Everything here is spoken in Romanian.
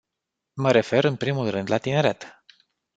Mă refer, în primul rând, la tineret.